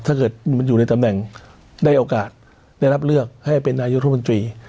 ถ้าเกิดมันอยู่ในตำแหน่งได้โอกาสได้รับเลือกให้เป็นนายุทธมนตรี